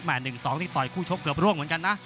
๑๒นี่ต่อยคู่ชกเกือบร่วงเหมือนกันนะ